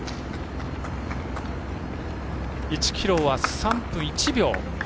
１ｋｍは３分１秒。